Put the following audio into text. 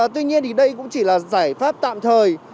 tuy nhiên thì đây cũng chỉ là giải pháp tạm thời